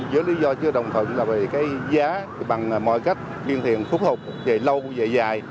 dưới lý do chưa đồng thuận là vì cái giá bằng mọi cách kiên thiện khúc hụt về lâu về dài